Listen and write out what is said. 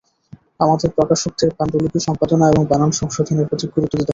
আমাদের প্রকাশকদের পাণ্ডুলিপি সম্পাদনা এবং বানান সংশোধনের প্রতি গুরুত্ব দিতে হবে।